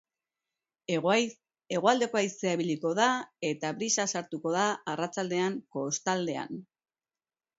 Hegoaldeko haizea ibiliko da, eta brisa sartuko da arratsaldean kostaldean.